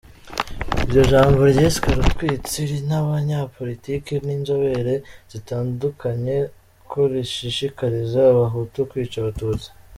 Iryo jambo ryiswe rutwitsi n’abanyapolitiki n’inzobere zitandukanye ko rishishikariza Abahutu kwica Abatutsi.